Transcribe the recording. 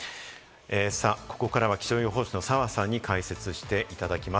ここからは気象予報士の澤さんに解説していただきます。